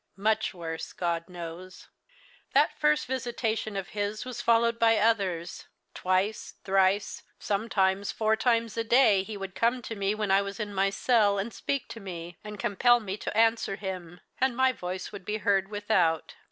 Much worse, God knows. "That first visitation of his was followed by others. Twice, thrice, sometimes four times a day, he would come to me when I was in my cell, and speak to me, and compel me to answer him; and my voice would be heard without.